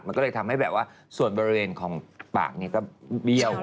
มันก็เลยทำให้แบบว่าส่วนบริเวณของปากนี้ก็เบี้ยว